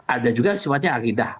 ada juga sifatnya agidah